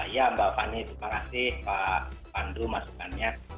ya mbak fani terima kasih pak pandu masukannya